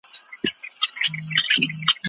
هره وینا تر منلو مخکي په ښه توګه تجزیه کړئ.